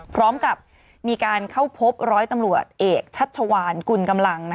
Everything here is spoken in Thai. พร้อมกับมีการเข้าพบร้อยตำรวจเอกชัชวานกุลกำลัง